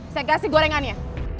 saya kasih gorengannya